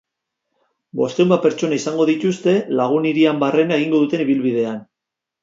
Bostehun bat pertsona izango dituzte lagun hirian barrena egingo duten ibilbidean.